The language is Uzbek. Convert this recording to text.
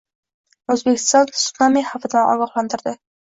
O‘zbekiston tsunami xavfidan ogohlantirdi